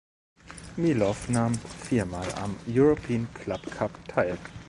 Milov nahm viermal am European Club Cup teil.